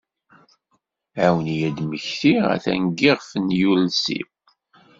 Ɛiwen-iyi ad mmektiɣ, atan deg iɣef nyiules-iw!